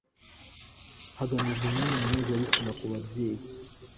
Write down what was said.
hagamijwe imibonano mpuzabitsina ku babyeyi